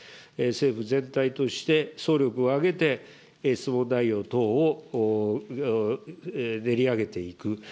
政府全体として、総力を挙げて、質問内容等を練り上げていく。